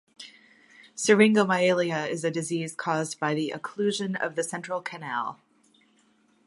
Syringomyelia is a disease caused by the occlusion of the central canal.